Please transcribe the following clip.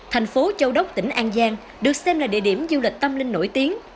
thành phố châu đốc tỉnh an giang được xem là địa điểm du lịch tâm linh nổi tiếng